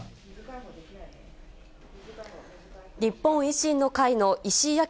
日本維新の会の石井章